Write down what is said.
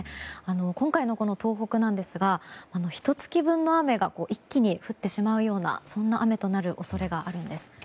今回の東北なんですがひと月分の雨が一気に降ってしまうような雨になる恐れがあるんです。